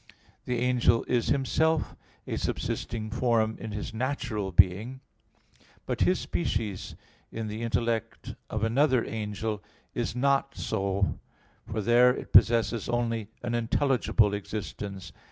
The angel is himself a subsisting form in his natural being; but his species in the intellect of another angel is not so, for there it possesses only an intelligible existence.